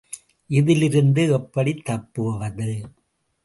இதிலிருந்து எப்படித் தப்புவது?